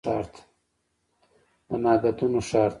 د نګهتونو ښار ته